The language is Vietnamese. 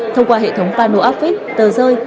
thông qua hệ thống panel outfit tờ rơi